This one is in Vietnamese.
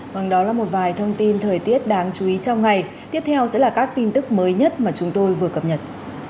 vâng đó là một vài thông tin thời tiết đáng chú ý trong ngày tiếp theo sẽ là các tin tức mới nhất mà chúng tôi vừa cập nhật